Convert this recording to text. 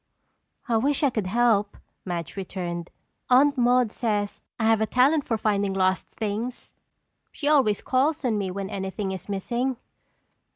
"I wish I could help," Madge returned. "Aunt Maude says I have a talent for finding lost things. She always calls on me when anything is missing."